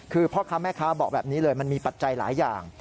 คือพ่อค้าแม่ค้าบอกแบบนี้เลยมันมีปัจจัยหลายอย่าง